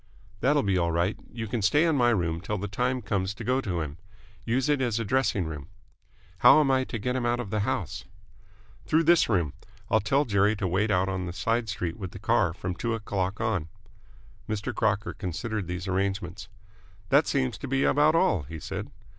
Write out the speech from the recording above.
"That'll be all right. You can stay in my room till the time comes to go to him. Use it as a dressing room." "How am I to get him out of the house?" "Through this room. I'll tell Jerry to wait out on the side street with the car from two o'clock on." Mr. Crocker considered these arrangements. "That seems to be about all," he said.